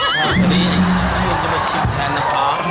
ทีลงจะมาชิมแทนนะคะ